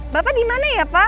bapak dimana ya pak